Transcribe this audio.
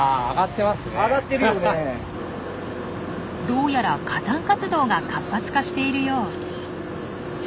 どうやら火山活動が活発化しているよう。